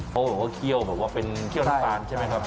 เขาบอกว่าเคี่ยวแบบว่าเป็นเคี่ยวน้ำตาลใช่ไหมครับ